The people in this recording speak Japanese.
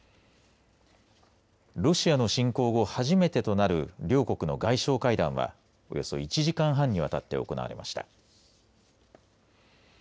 ロシアの侵攻後、初めてとなる両国の外相会談はおよそ１時間半にわたって行われました。